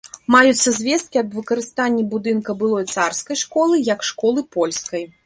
Маюцца звесткі аб выкарыстанні будынка былой царскай школы як школы польскай.